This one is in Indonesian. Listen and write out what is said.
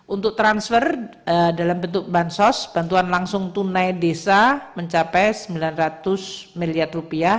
untuk transfer dalam bentuk bansos bantuan langsung tunai desa mencapai rp sembilan ratus miliar